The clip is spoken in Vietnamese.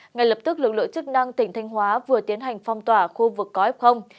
ngay lập tức lực lượng chức năng tỉnh thanh hóa vừa tiến hành phong tỏa khu vực có f